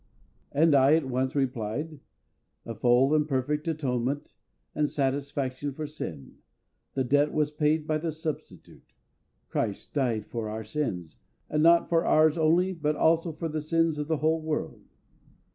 And I at once replied, "A full and perfect atonement and satisfaction for sin: the debt was paid by the Substitute; CHRIST died for our sins, and not for ours only, but also for the sins of the whole world."